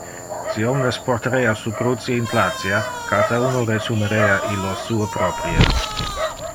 Si omnes portarea su cruce in placia, cata uno resumerea illo sue proprie.